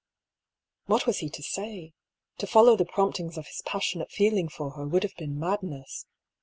What was he to say? To follow the promptings of his passionate feeling for her would have been madness.